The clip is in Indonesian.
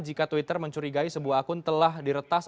jika twitter mencurigai sebuah akun telah diretas